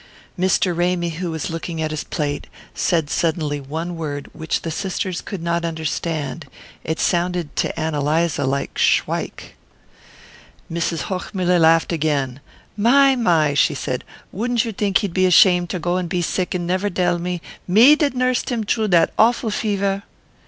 Mr. Ramy, who was looking at his plate, said suddenly one word which the sisters could not understand; it sounded to Ann Eliza like "Shwike." Mrs. Hochmuller laughed again. "My, my," she said, "wouldn't you think he'd be ashamed to go and be sick and never dell me, me that nursed him troo dat awful fever?"